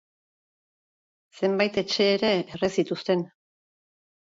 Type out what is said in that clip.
Zenbait etxe ere erre zituzten.